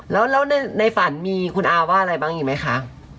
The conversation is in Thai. แล้วในฝันมีคุณอาว่าอะไรบ้างอีกไหมคะ